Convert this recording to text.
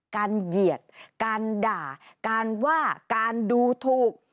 เหยียดการด่าการว่าการดูถูก